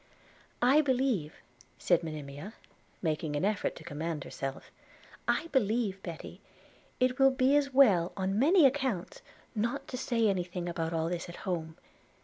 'I believe,' said Monimia, making an effort to command herself, 'I believe, Betty, it will be as well, on many accounts, not to say any thing about all this at home.